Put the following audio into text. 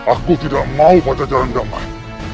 aku tidak mau pajajaran damai